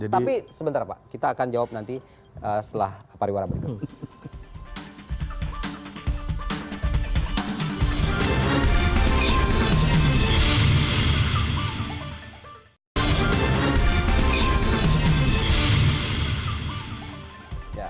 tapi sebentar pak kita akan jawab nanti setelah pariwara berikut